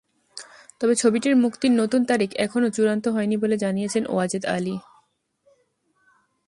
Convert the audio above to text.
তবে ছবিটির মুক্তির নতুন তারিখ এখনো চূড়ান্ত হয়নি বলে জানিয়েছেন ওয়াজেদ আলী।